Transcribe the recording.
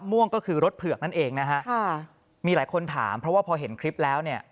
ม่วงก็คือรถเผือกนั่นเองนะฮะค่ะมีหลายคนถามเพราะว่าพอเห็นคลิปแล้วเนี่ย